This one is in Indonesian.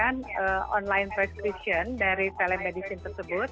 jadi nanti kita akan melakukan online prescription dari telemedicine tersebut